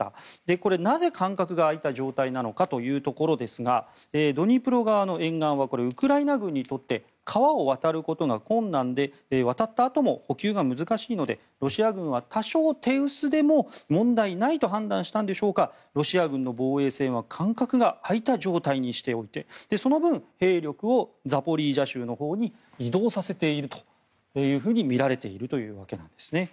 これ、なぜ間隔が空いた状態なのかというところですがドニプロ川の沿岸はウクライナ軍にとって川を渡ることが困難で渡ったあとも補給が難しいのでロシア軍は多少手薄でも問題ないと判断したのでしょうかロシア軍の防衛線は間隔が空いた状態にしておいてその分、兵力をザポリージャ州のほうに移動させているとみられているというわけです。